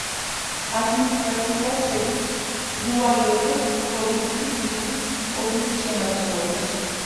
ადმინისტრაციულად შედის ლუაიოტეს პროვინციის ლიფუს კომუნის შემადგენლობაში.